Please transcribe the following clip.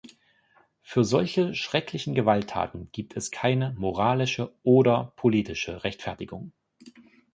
Für solche schrecklichen Gewalttaten gibt es keine moralische oder politische Rechtfertigung.